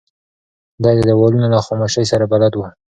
دی د دیوالونو له خاموشۍ سره بلد و.